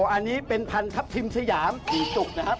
อันนี้เป็นพันทัพทิมสยามกี่จุกนะครับ